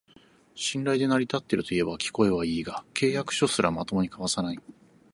信頼で成り立ってるといえば聞こえはいいが、契約書すらまともに交わさない